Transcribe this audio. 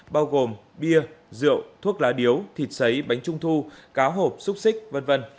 bao gồm bia rượu thuốc lá điếu thịt xấy bánh trung thu cá hộp xúc xích v v